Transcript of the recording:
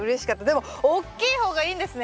でも大きい方がいいんですね。